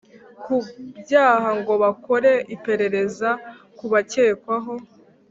ku byaha ngo bakore iperereza ku bakekwaho